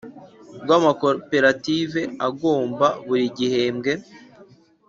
Rw amakoperative agomba buri gihembwe